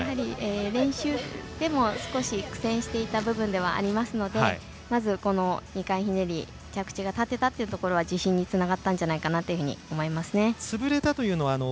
練習でも少し苦戦していた部分でもありますのでまず、２回ひねり着地が立てたというところは自信につながったんじゃないかなと思いますね。